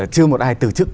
chưa một ai từ chức